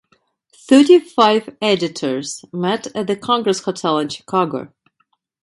Thirty-five editors met at the Congress Hotel in Chicago.